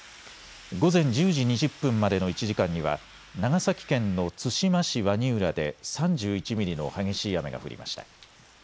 午前１０時２０分までの１時間には長崎県の対馬市鰐浦で３１ミリの激しい雨が降りました。